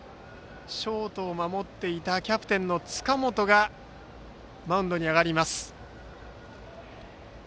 ショートを守っていたキャプテンの塚本がマウンドに上がります。